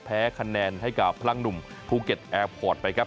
แพ้คะแนนให้กับพลังหนุ่มภูเก็ตแอร์พอร์ตไปครับ